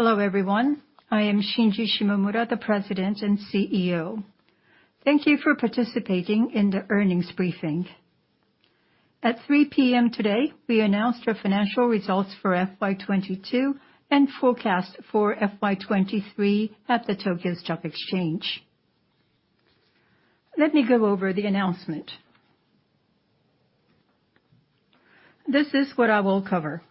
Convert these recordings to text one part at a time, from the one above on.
Hello, everyone. I am Shinji Shimomura, the President and CEO. Thank you for participating in the earnings briefing. At 3:00 A.M. today, we announced our financial results for FY 2022 and forecast for FY 2023 at the Tokyo Stock Exchange. Let me go over the announcement. This is what I will cover.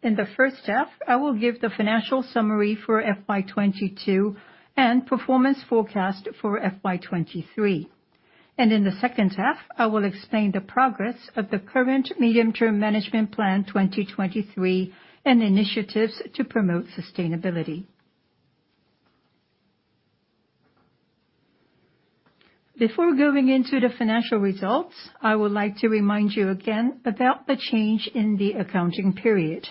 In the first half, I will give the financial summary for FY 2022 and performance forecast for FY 2023. In the second half, I will explain the progress of the current Medium-Term Management Plan 2023 and initiatives to promote sustainability. Before going into the financial results, I would like to remind you again about the change in the accounting period.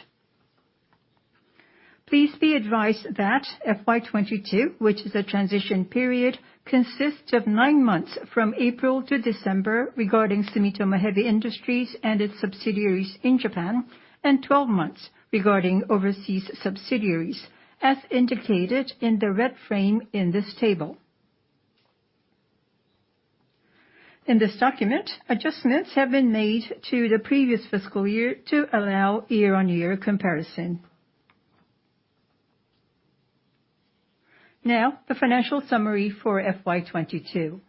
Please be advised that FY 2022, which is a transition period, consists of nine months from April to December, regarding Sumitomo Heavy Industries and its subsidiaries in Japan, and 12 months regarding overseas subsidiaries as indicated in the red frame in this table. In this document, adjustments have been made to the previous fiscal year to allow year-on-year comparison. Now, the financial summary for FY 2022.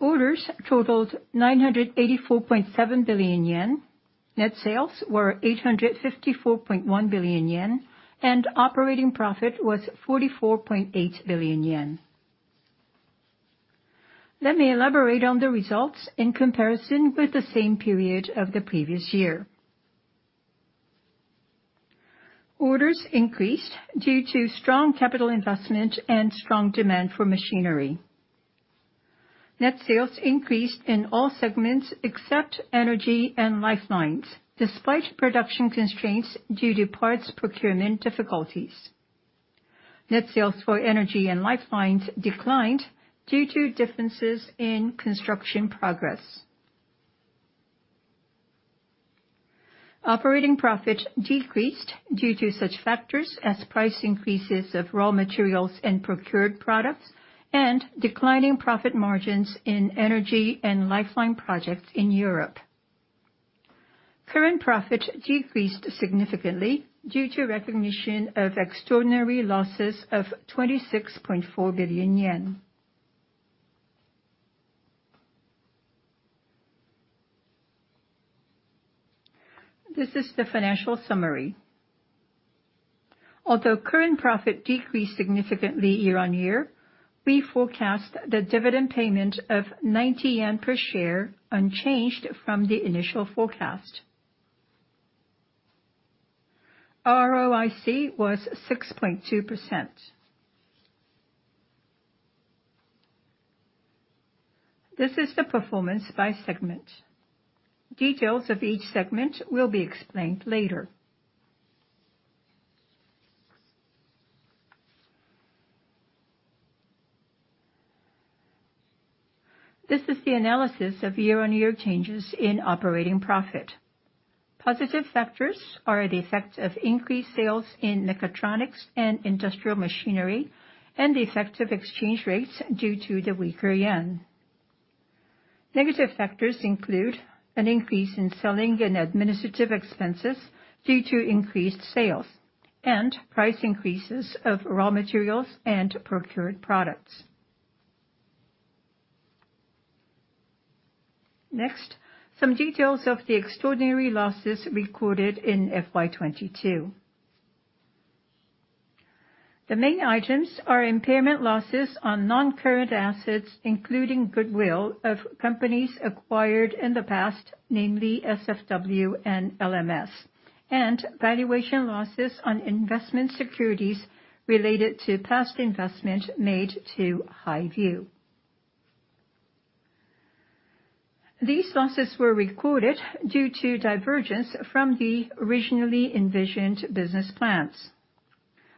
Orders totaled 984.7 billion yen. Net sales were 854.1 billion yen, and operating profit was 44.8 billion yen. Let me elaborate on the results in comparison with the same period of the previous year. Orders increased due to strong capital investment and strong demand for machinery. Net sales increased in all segments except Energy & Lifelines, despite production constraints due to parts procurement difficulties. Net sales for Energy & Lifelines declined due to differences in construction progress. Operating profit decreased due to such factors as price increases of raw materials and procured products, and declining profit margins in Energy & Lifelines projects in Europe. Current profit decreased significantly due to recognition of extraordinary losses of JPY 26.4 billion. This is the financial summary. Although current profit decreased significantly year-on-year, we forecast the dividend payment of 90 yen per share unchanged from the initial forecast. ROIC was 6.2%. This is the performance by segment. Details of each segment will be explained later. This is the analysis of year-on-year changes in operating profit. Positive factors are the effect of increased sales in Mechatronics and Industrial Machinery, and the effect of exchange rates due to the weaker yen. Negative factors include an increase in selling and administrative expenses due to increased sales, and price increases of raw materials and procured products. Next, some details of the extraordinary losses recorded in FY 2022. The main items are impairment losses on non-current assets, including goodwill of companies acquired in the past, namely SFW and LMS, and valuation losses on investment securities related to past investment made to Highview. These losses were recorded due to divergence from the originally envisioned business plans.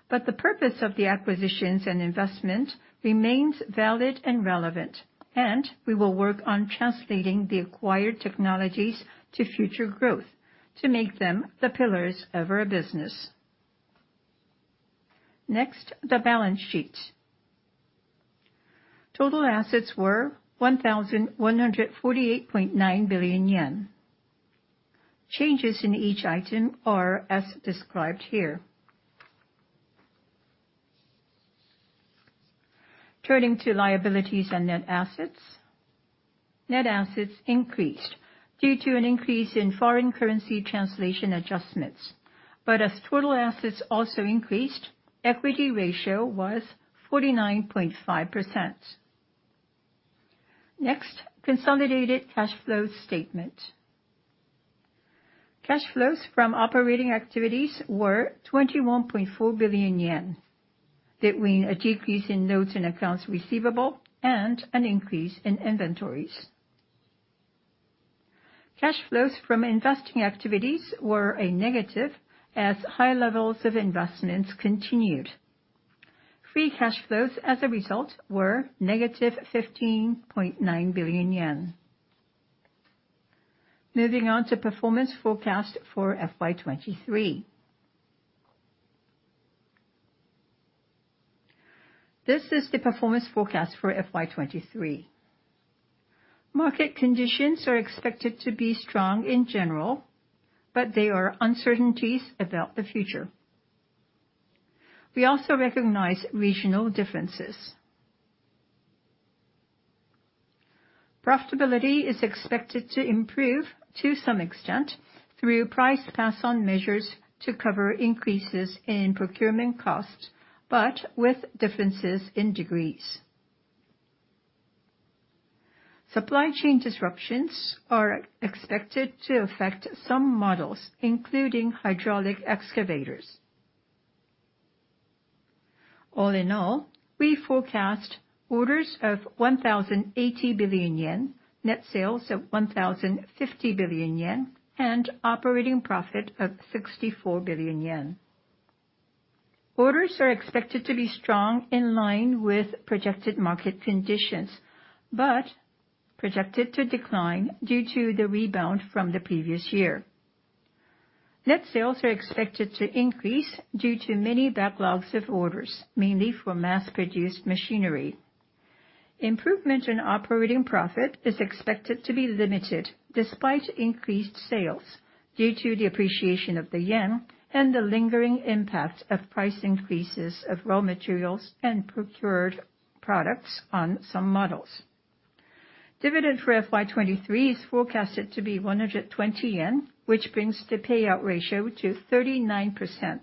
The purpose of the acquisitions and investment remains valid and relevant, and we will work on translating the acquired technologies to future growth to make them the pillars of our business. Next, the balance sheet. Total assets were 1,148.9 billion yen. Changes in each item are as described here. Turning to liabilities and net assets. Net assets increased due to an increase in foreign currency translation adjustments. As total assets also increased, equity ratio was 49.5%. Next, consolidated cash flows statement. Cash flows from operating activities were 21.4 billion yen between a decrease in notes and accounts receivable and an increase in inventories. Cash flows from investing activities were a negative as high levels of investments continued. Free cash flows as a result were -15.9 billion yen. Moving on to performance forecast for FY 2023. This is the performance forecast for FY 2023. Market conditions are expected to be strong in general, but there are uncertainties about the future. We also recognize regional differences. Profitability is expected to improve to some extent through price pass-on measures to cover increases in procurement costs, but with differences in degrees. Supply chain disruptions are expected to affect some models, including hydraulic excavators. All in all, we forecast orders of 1,080 billion yen, net sales of 1,050 billion yen, and operating profit of 64 billion yen. Orders are expected to be strong in line with projected market conditions, but projected to decline due to the rebound from the previous year. Net sales are expected to increase due to many backlogs of orders, mainly for mass-produced machinery. Improvement in operating profit is expected to be limited despite increased sales due to the appreciation of the yen and the lingering impact of price increases of raw materials and procured products on some models. Dividend for FY 2023 is forecasted to be 120 yen, which brings the payout ratio to 39%.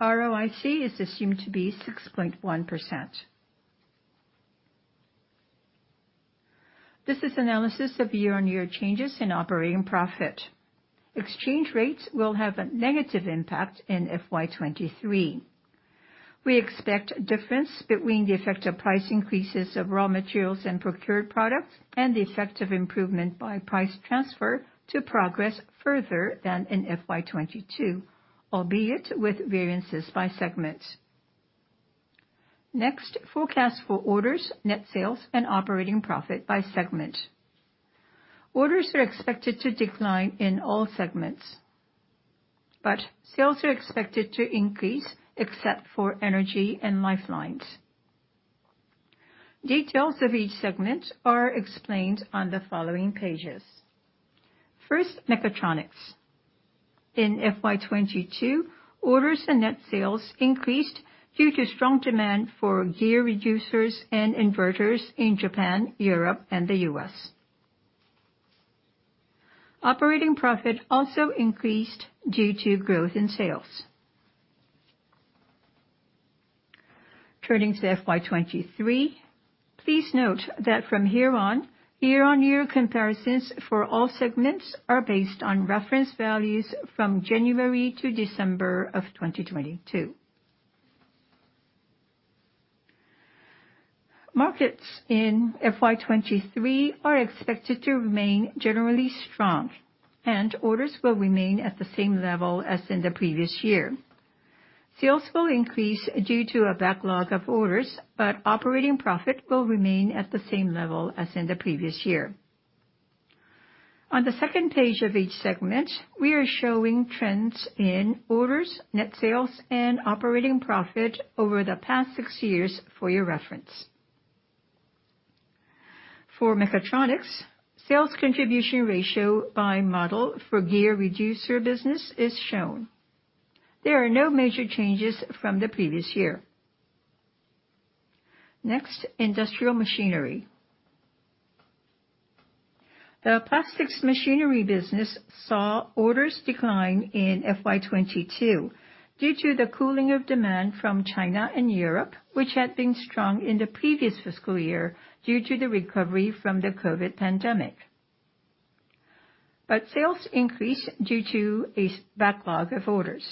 ROIC is assumed to be 6.1%. This is analysis of year-on-year changes in operating profit. Exchange rates will have a negative impact in FY 2023. We expect difference between the effect of price increases of raw materials and procured products and the effect of improvement by price transfer to progress further than in FY 2022, albeit with variances by segment. Forecast for orders, net sales, and operating profit by segment. Orders are expected to decline in all segments. Sales are expected to increase except for Energy & Lifelines. Details of each segment are explained on the following pages. Mechatronics. In FY 2022, orders and net sales increased due to strong demand for gear reducers and inverters in Japan, Europe, and the U.S. Operating profit also increased due to growth in sales. Turning to FY 2023, please note that from here on, year-on-year comparisons for all segments are based on reference values from January to December of 2022. Markets in FY 2023 are expected to remain generally strong and orders will remain at the same level as in the previous year. Sales will increase due to a backlog of orders, but operating profit will remain at the same level as in the previous year. On the second page of each segment, we are showing trends in orders, net sales, and operating profit over the past six years for your reference. For Mechatronics, sales contribution ratio by model for gear reducer business is shown. There are no major changes from the previous year. Next, Industrial Machinery. The plastics machinery business saw orders decline in FY 2022 due to the cooling of demand from China and Europe, which had been strong in the previous fiscal year due to the recovery from the COVID pandemic. Sales increased due to a backlog of orders.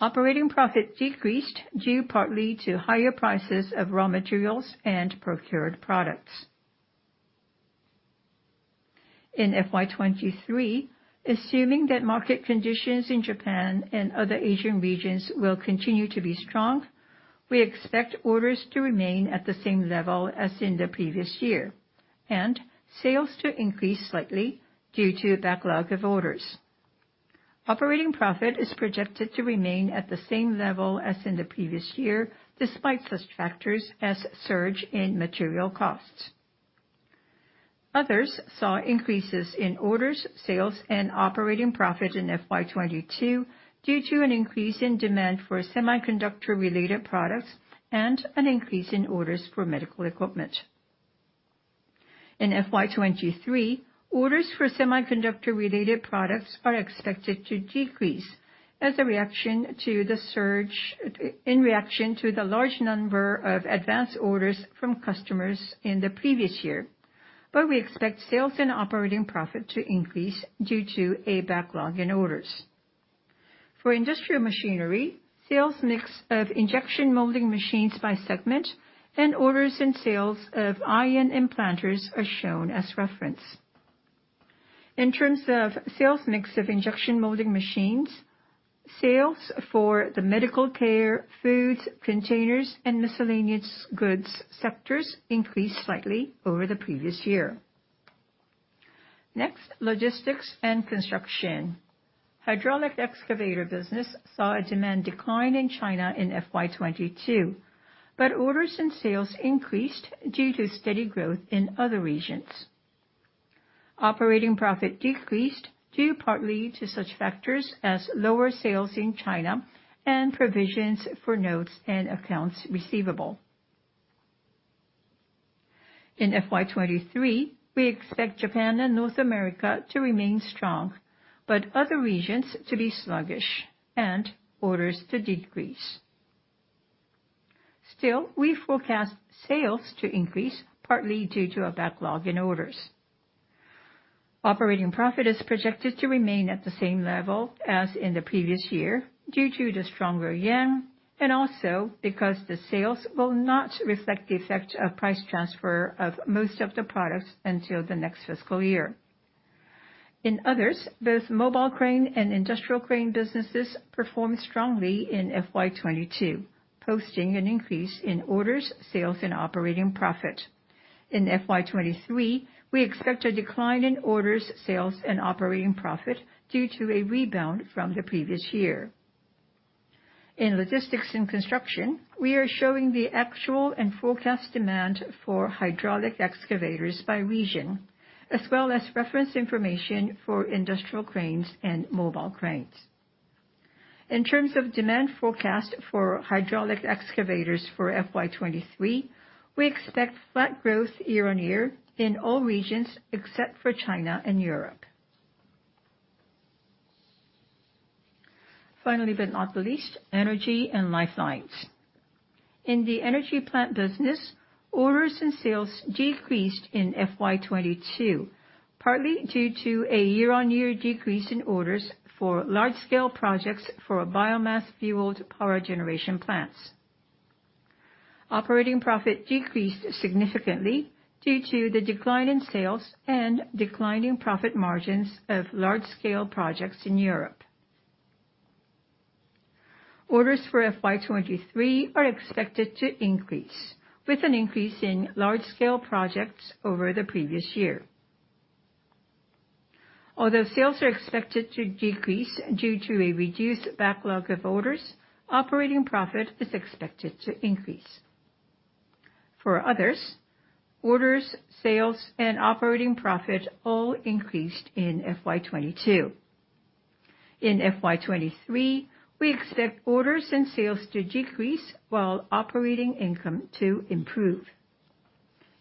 Operating profit decreased due partly to higher prices of raw materials and procured products. In FY 2023, assuming that market conditions in Japan and other Asian regions will continue to be strong, we expect orders to remain at the same level as in the previous year and sales to increase slightly due to backlog of orders. Operating profit is projected to remain at the same level as in the previous year, despite such factors as surge in material costs. Others saw increases in orders, sales, and operating profit in FY 2022 due to an increase in demand for semiconductor-related products and an increase in orders for medical equipment. In FY 2023, orders for semiconductor-related products are expected to decrease in reaction to the large number of advanced orders from customers in the previous year. We expect sales and operating profit to increase due to a backlog in orders. For Industrial Machinery, sales mix of injection molding machines by segment and orders and sales of ion implanters are shown as reference. In terms of sales mix of injection molding machines, sales for the medical care, foods, containers, and miscellaneous goods sectors increased slightly over the previous year. Next, Logistics & Construction. Hydraulic excavator business saw a demand decline in China in FY 2022, but orders and sales increased due to steady growth in other regions. Operating profit decreased due partly to such factors as lower sales in China and provisions for notes and accounts receivable. In FY 2023, we expect Japan and North America to remain strong, but other regions to be sluggish and orders to decrease. Still, we forecast sales to increase, partly due to a backlog in orders. Operating profit is projected to remain at the same level as in the previous year due to the stronger yen and also because the sales will not reflect the effect of price transfer of most of the products until the next fiscal year. In others, both mobile crane and industrial crane businesses performed strongly in FY 2022, posting an increase in orders, sales, and operating profit. In FY 2023, we expect a decline in orders, sales, and operating profit due to a rebound from the previous year. In Logistics & Construction, we are showing the actual and forecast demand for hydraulic excavators by region, as well as reference information for industrial cranes and mobile cranes. In terms of demand forecast for hydraulic excavators for FY 2023, we expect flat growth year-on-year in all regions except for China and Europe. Finally, but not the least, Energy & Lifelines. In the energy plant business, orders and sales decreased in FY 2022, partly due to a year-on-year decrease in orders for large-scale projects for biomass-fueled power generation plants. Operating profit decreased significantly due to the decline in sales and decline in profit margins of large-scale projects in Europe. Orders for FY 2023 are expected to increase, with an increase in large-scale projects over the previous year. Although sales are expected to decrease due to a reduced backlog of orders, operating profit is expected to increase. For others, orders, sales, and operating profit all increased in FY 2022. In FY 2023, we expect orders and sales to decrease while operating income to improve.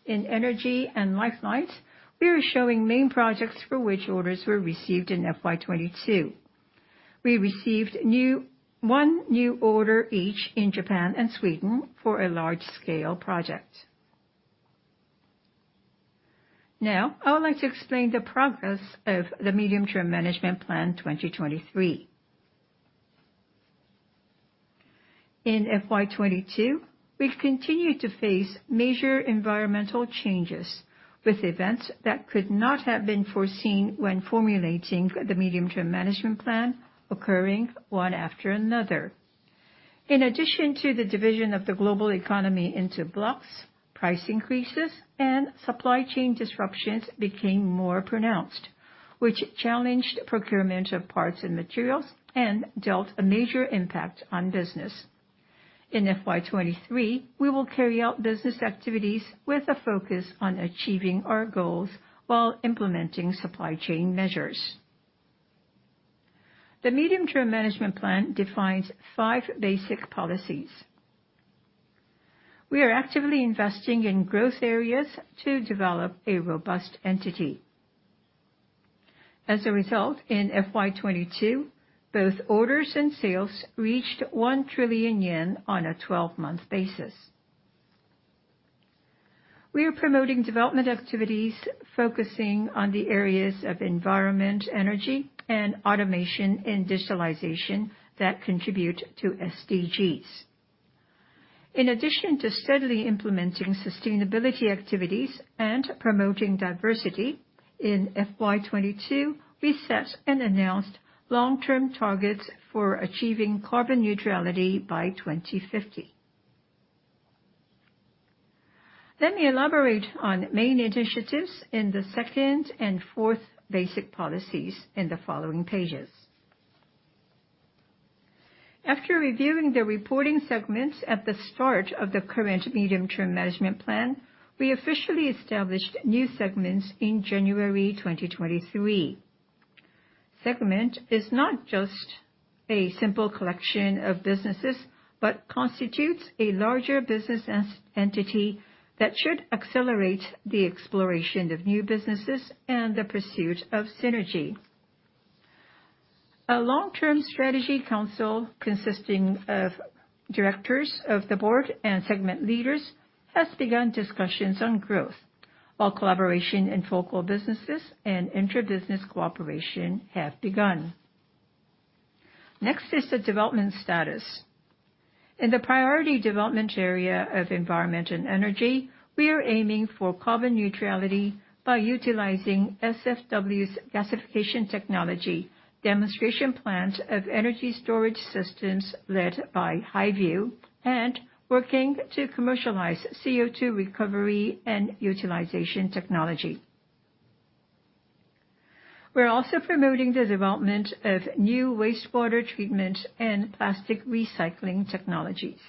In Energy & Lifelines, we are showing main projects for which orders were received in FY 2022. We received one new order each in Japan and Sweden for a large scale project. I would like to explain the progress of the Medium-Term Management Plan 2023. In FY 2022, we continued to face major environmental changes with events that could not have been foreseen when formulating the Medium-Term Management Plan occurring one after another. In addition to the division of the global economy into blocks, price increases and supply chain disruptions became more pronounced, which challenged procurement of parts and materials and dealt a major impact on business. In FY 2023, we will carry out business activities with a focus on achieving our goals while implementing supply chain measures. The Medium-Term Management Plan 2023 defines five basic policies. We are actively investing in growth areas to develop a robust entity. As a result, in FY 2022, both orders and sales reached 1 trillion yen on a 12-month basis. We are promoting development activities, focusing on the areas of environment, energy, and automation, and digitalization that contribute to SDGs. In addition to steadily implementing sustainability activities and promoting diversity, in FY 2022, we set and announced long-term targets for achieving carbon neutrality by 2050. Let me elaborate on main initiatives in the second and fourth basic policies in the following pages. After reviewing the reporting segments at the start of the current Medium-Term Management Plan, we officially established new segments in January 2023. Segment is not just a simple collection of businesses, but constitutes a larger business entity that should accelerate the exploration of new businesses and the pursuit of synergy. A Long-Term Strategy Council consisting of Directors of the Board and segment leaders has begun discussions on growth, while collaboration in focal businesses and inter-business cooperation have begun. Next is the development status. In the priority development area of environment and energy, we are aiming for carbon neutrality by utilizing SFW's gasification technology, demonstration plans of energy storage systems led by Highview, and working to commercialize CO2 recovery and utilization technology. We're also promoting the development of new wastewater treatment and plastic recycling technologies.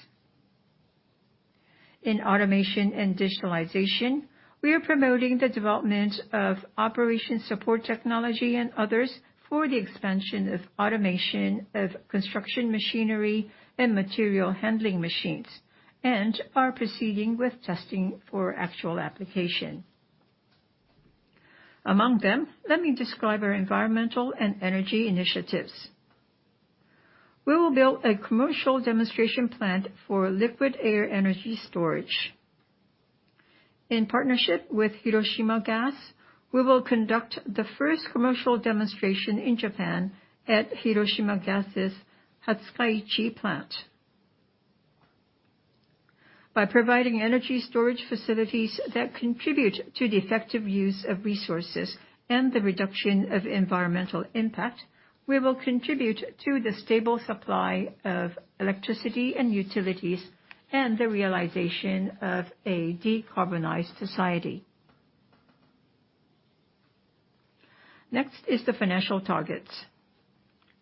In automation and digitalization, we are promoting the development of operation support technology and others for the expansion of automation of construction machinery and material handling machines, and are proceeding with testing for actual application. Among them, let me describe our environmental and energy initiatives. We will build a commercial demonstration plant for liquid air energy storage. In partnership with Hiroshima Gas, we will conduct the first commercial demonstration in Japan at Hiroshima Gas' Hatsukaichi plant. By providing energy storage facilities that contribute to the effective use of resources and the reduction of environmental impact, we will contribute to the stable supply of electricity and utilities, and the realization of a decarbonized society. Next is the financial targets.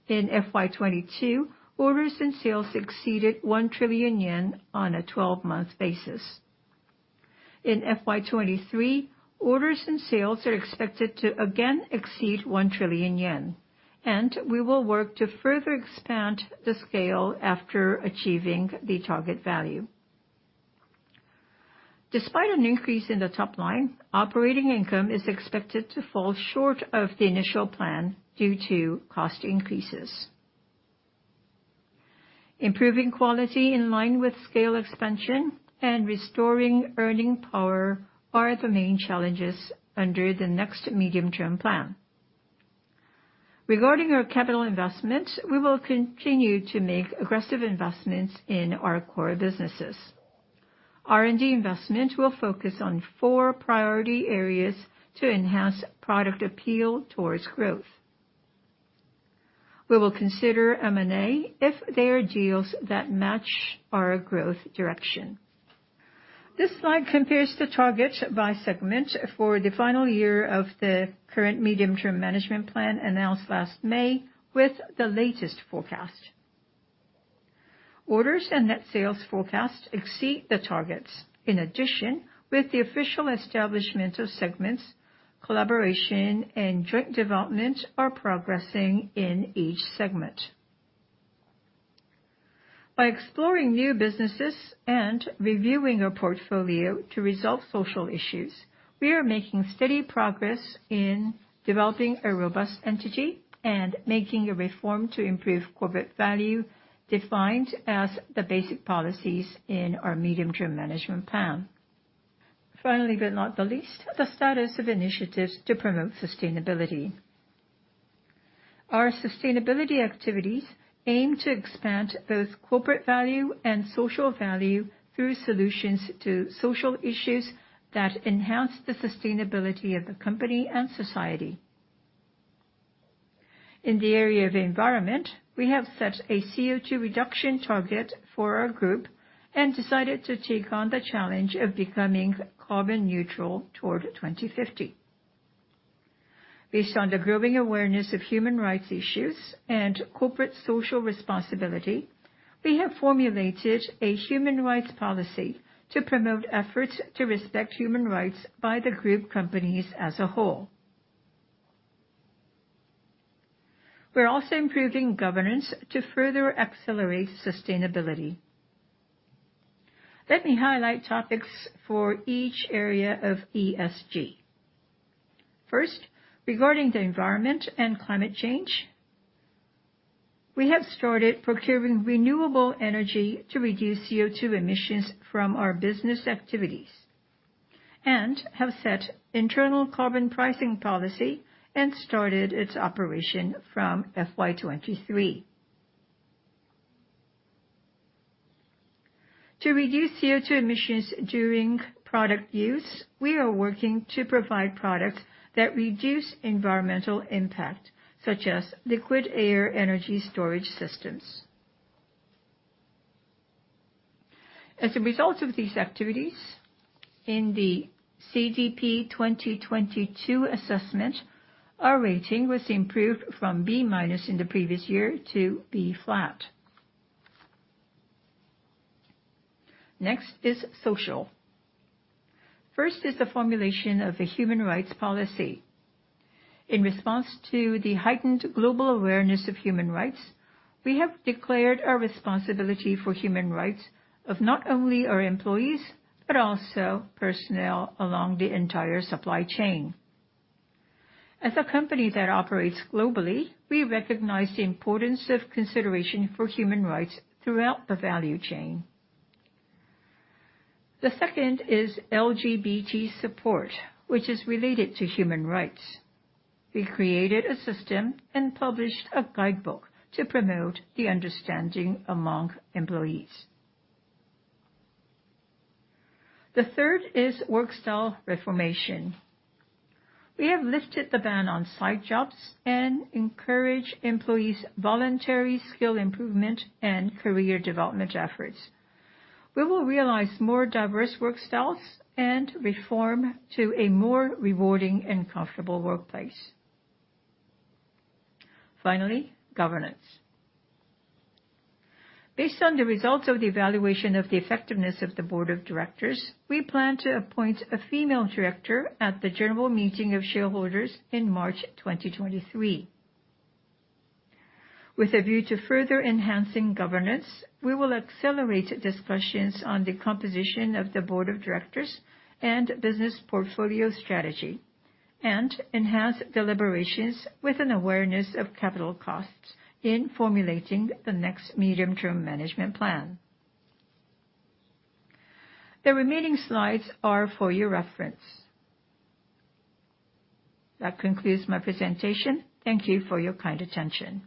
In FY 2022, orders and sales exceeded 1 trillion yen on a 12-month basis. In FY 2023, orders and sales are expected to again exceed 1 trillion yen, and we will work to further expand the scale after achieving the target value. Despite an increase in the top line, operating income is expected to fall short of the initial plan due to cost increases. Improving quality in line with scale expansion and restoring earning power are the main challenges under the next Medium-Term Management Plan. Regarding our capital investment, we will continue to make aggressive investments in our core businesses. R&D investment will focus on four priority areas to enhance product appeal towards growth. We will consider M&A if there are deals that match our growth direction. This slide compares the targets by segment for the final year of the current Medium-Term Management Plan announced last May with the latest forecast. Orders and net sales forecasts exceed the targets. With the official establishment of segments, collaboration and joint development are progressing in each segment. By exploring new businesses and reviewing our portfolio to resolve social issues, we are making steady progress in developing a robust entity and making a reform to improve corporate value defined as the basic policies in our Medium-Term Management Plan. Finally, but not the least, the status of initiatives to promote sustainability. Our sustainability activities aim to expand both corporate value and social value through solutions to social issues that enhance the sustainability of the company and society. In the area of environment, we have set a CO2 reduction target for our group and decided to take on the challenge of becoming carbon neutral toward 2050. Based on the growing awareness of human rights issues and corporate social responsibility, we have formulated a human rights policy to promote efforts to respect human rights by the group companies as a whole. We're also improving governance to further accelerate sustainability. Let me highlight topics for each area of ESG. First, regarding the environment and climate change, we have started procuring renewable energy to reduce CO2 emissions from our business activities and have set internal carbon pricing policy and started its operation from FY 2023. To reduce CO2 emissions during product use, we are working to provide products that reduce environmental impact, such as liquid air energy storage systems. As a result of these activities, in the CDP 2022 assessment, our rating was improved from B- in the previous year to B. Next is social. First is the formulation of a human rights policy. In response to the heightened global awareness of human rights, we have declared our responsibility for human rights of not only our employees, but also personnel along the entire supply chain. As a company that operates globally, we recognize the importance of consideration for human rights throughout the value chain. The second is LGBT support, which is related to human rights. We created a system and published a guidebook to promote the understanding among employees. The third is work style reformation. We have lifted the ban on site jobs and encourage employees voluntary skill improvement and career development efforts. We will realize more diverse work styles and reform to a more rewarding and comfortable workplace. Finally, governance. Based on the results of the evaluation of the effectiveness of the Board of Directors, we plan to appoint a female director at the general meeting of shareholders in March 2023. With a view to further enhancing governance, we will accelerate discussions on the composition of the Board of Directors and business portfolio strategy, and enhance deliberations with an awareness of capital costs in formulating the next medium-term management plan. The remaining slides are for your reference. That concludes my presentation. Thank you for your kind attention.